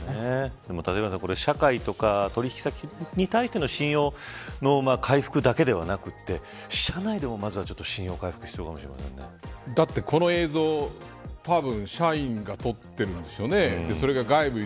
でも立岩さん社会とか、取引先に対しての信用の回復だけではなくて社内でも、まずは信用回復していかなくてはいけないかもだってこの映像たぶん社員が撮ってるんですよね。